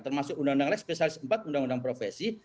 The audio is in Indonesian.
termasuk undang undang lek spesialis empat undang undang profesi